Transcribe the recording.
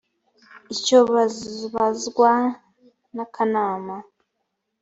icyo babazwa n’ akanama